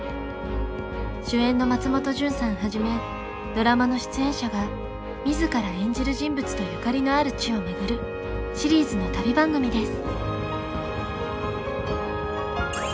主演の松本潤さんはじめドラマの出演者が自ら演じる人物とゆかりのある地を巡るシリーズの旅番組です。